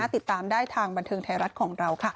ติดตามได้ทางบันเทิงไทยรัฐของเราค่ะ